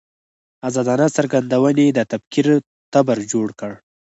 ازادانه څرګندونې د تکفیر تبر جوړ کړ.